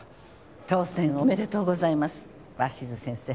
当選おめでとうございます鷲津先生。